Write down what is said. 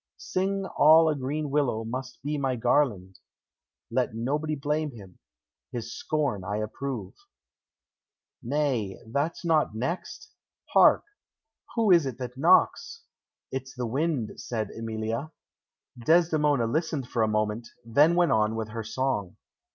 "Sing all a green willow must be my garland; Let nobody blame him, his scorn I approve. "Nay, that's not next. Hark! Who is it that knocks?" "It's the wind," said Emilia. Desdemona listened for a moment, then went on with her song.